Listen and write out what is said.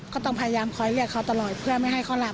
เขาต้องพยายามขอให้เลือดเขาตลอดเพื่อไม่ให้เขาหลับ